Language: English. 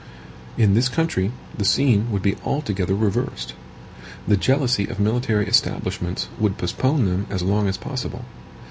In this country the scene would be altogether reversed. The jealousy of military establishments would postpone them as long as possible.